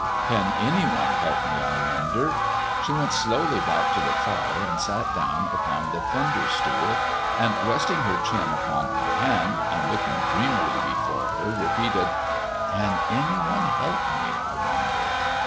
"Can any one help me, I wonder?" She went slowly back to the fire and sat down upon the fender stool, and resting her chin upon her hand, and looking dreamily before her, repeated "Can any one help me, I wonder?"